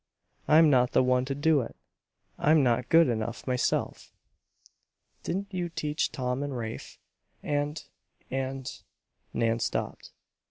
I'm not the one to do it. I'm not good enough myself." "Didn't you teach Tom and Rafe, and and " Nan stopped.